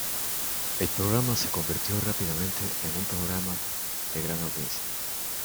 El programa se convirtió rápidamente en un programa de gran audiencia.